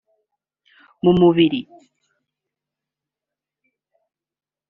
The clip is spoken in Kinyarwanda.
mu mubiri